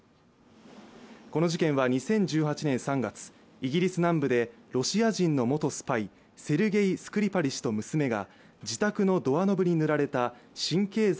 この事件は２０１８年３月、イギリス南部でロシア人の元スパイ、セルゲイ・スクリパリ氏と娘が自宅のドアノブに塗られた神経剤